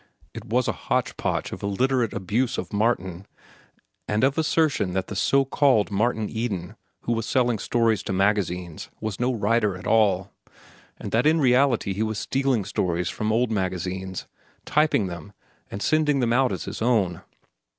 It was a hotchpotch of illiterate abuse of Martin, and of assertion that the "so called Martin Eden" who was selling stories to magazines was no writer at all, and that in reality he was stealing stories from old magazines, typing them, and sending them out as his own.